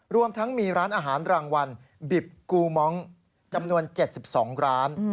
รวมทั้งมีร้านอาหารรางวัลบิบกูม้องจำนวน๗๒ร้าน